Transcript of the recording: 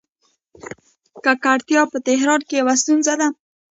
ککړتیا په تهران کې یوه ستونزه ده.